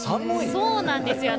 そうなんですよ。